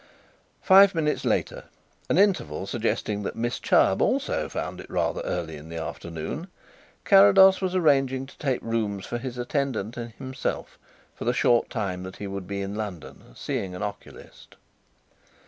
Five minutes later, an interval suggesting that Miss Chubb also found it rather early in the afternoon, Carrados was arranging to take rooms for his attendant and himself for the short time that he would be in London, seeing an oculist.